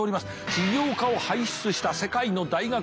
起業家を輩出した世界の大学ランキング